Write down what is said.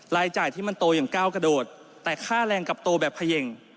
รายจ่ายที่มันโตอย่างก้าวกระโดดแต่ค่าแรงกลับโตแบบเขย่ง